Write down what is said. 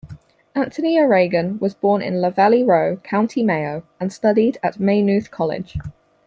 Anthony O'Regan was born in Lavalleyroe, County Mayo, and studied at Maynooth College.